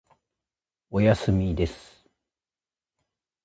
おやすみです。